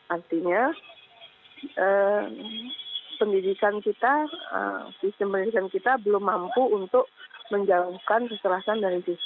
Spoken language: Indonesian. artinya pendidikan kita sistem pendidikan kita belum mampu untuk menjauhkan kekerasan dari fisik